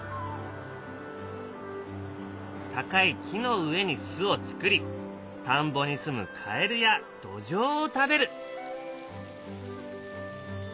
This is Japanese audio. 高い木の上に巣を作り田んぼにすむカエルやドジョウを食べる。